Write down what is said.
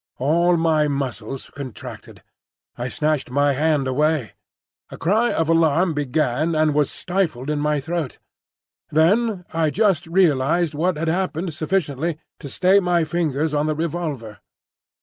All my muscles contracted. I snatched my hand away. A cry of alarm began and was stifled in my throat. Then I just realised what had happened sufficiently to stay my fingers on the revolver.